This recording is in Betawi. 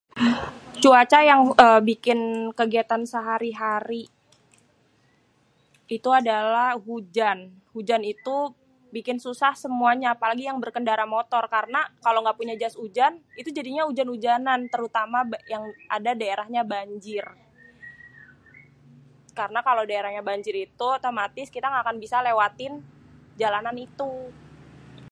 cuaca yang êê bikin kegiatan sehari-hari, itu adalah hujan, hujan itu bikin susah semuanya apalagi yang berkendara motor karna kalo ga punya jas hujan itu jadinya ujan-ujanan terutama yang ada daerahnya banjir, karna kalo daerah yang banjir itu otomatis kita tidak akan bisa lêwatin jalanan itu.